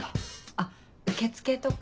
あっ受付とか。